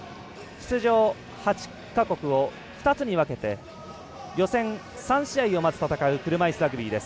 出場８か国を２つに分けて予選３試合をまず戦う車いすラグビーです。